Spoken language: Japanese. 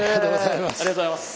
ありがとうございます。